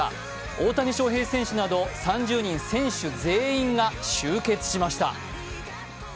大谷翔平選手など３０人選手全員が集結しました。